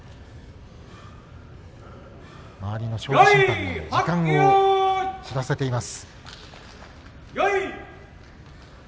周りの勝負審判に時間を知らせています。